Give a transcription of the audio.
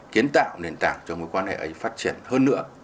kiến tạo nền tảng cho mối quan hệ ấy phát triển hơn nữa